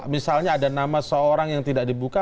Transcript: misalnya ada nama seorang yang tidak dibuka